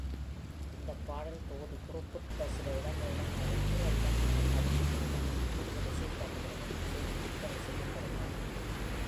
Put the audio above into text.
இந்த பாடல் தொகுதி குறிப்பிட்ட சில இடங்களிலும், அதன் பிற விதமான பதிப்புகளுடனும் கூடுதல் இசைத் தட்டுகளுடன் சேர்ந்து விற்பனை செய்யப்படுகின்றது.